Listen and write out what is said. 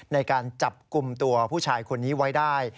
ในการจับกลุ่มตัวผู้ชายคนนี้ไว้ได้